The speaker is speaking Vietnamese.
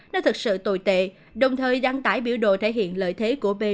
nó thực sự tồi tệ đồng thời đăng tải biểu đồ thể hiện lợi thế